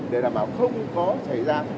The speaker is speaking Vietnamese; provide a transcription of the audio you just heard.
để đảm bảo không có xảy ra